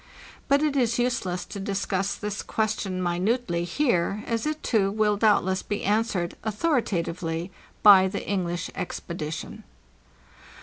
But it is useless to discuss this question minutely here, as_ it, too, will doubtless be answered authoritative ly by the English expedition.